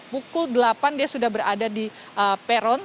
pukul delapan dia sudah berada di peron